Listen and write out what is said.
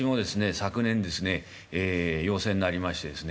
昨年ですねええ陽性になりましてですね